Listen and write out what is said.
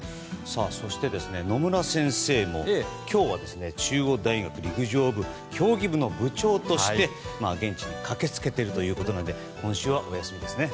そして野村先生も、今日は中央大学陸上競技部の部長として現地に駆けつけているということで今週はお休みですね。